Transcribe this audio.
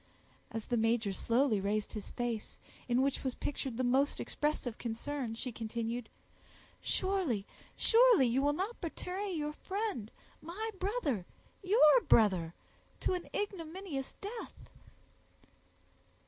As the major slowly raised his face, in which was pictured the most expressive concern, she continued, "Surely, surely, you will not betray your friend—my brother—your brother—to an ignominious death."